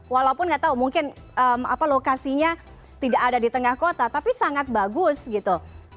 walaupun nggak tahu mungkin lokasinya tidak ada di tengah kota tapi sangat bagus gitu